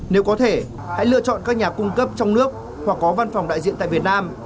nếu có thể hãy lựa chọn các nhà cung cấp trong nước hoặc có văn phòng đại diện tại việt nam